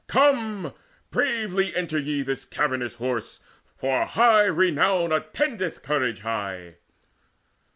Come, bravely enter ye this cavernous Horse. For high renown attendeth courage high.